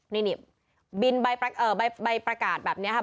นี่บินใบประกาศแบบนี้ค่ะ